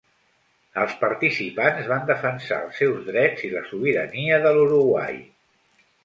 Els participants van defensar els seus drets i la sobirania de l'Uruguai.